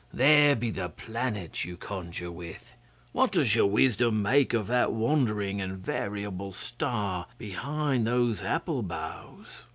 'There be the planets you conjure with! What does your wisdom make of that wandering and variable star behind those apple boughs?